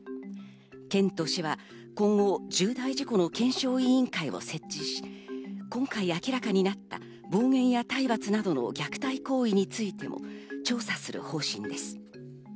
県と市は今後、重大事故の検証委員会を設置し、今回、明らかになった暴言や体罰などの虐待行為についても調査する方針です。